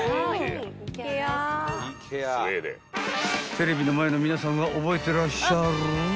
［テレビの前の皆さんは覚えてらっしゃる？］